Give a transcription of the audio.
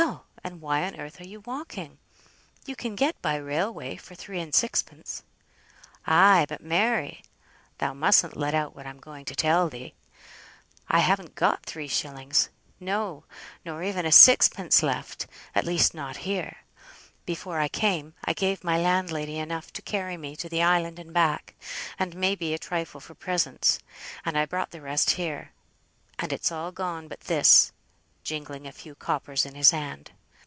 and why on earth are you walking? You can get by railway for three and sixpence." "Ay, but Mary! (thou mustn't let out what I'm going to tell thee) I haven't got three shillings, no, nor even a sixpence left, at least not here; before I came here I gave my landlady enough to carry me to the island and back, and may be a trifle for presents, and I brought all the rest here; and it's all gone but this," jingling a few coppers in his hand.